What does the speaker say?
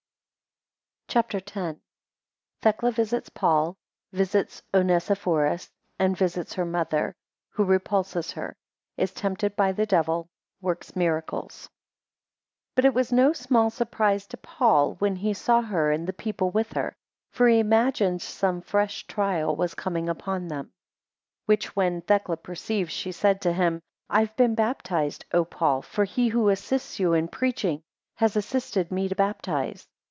CHAPTER X. 1 Thecla visits Paul; 6 visits Onesiphorus; 8 and visits her Mother 9 who repulses her. 14 Is tempted by the devil. 16 Works miracles. BUT it was no small surprise to Paul when he saw her and the people with her; for he imagined some fresh trial was coming upon them; 2 Which when Thecla perceived, she said to him: I have been baptized, O Paul; for he who assists you in preaching, has assisted me to baptize.